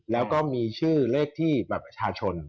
แล้วก็มีชื่อเลขที่บัตรประชาชน